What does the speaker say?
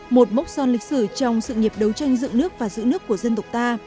một mốc son lịch sử trong sự nghiệp đấu tranh giữ nước và giữ nước của dân tộc ta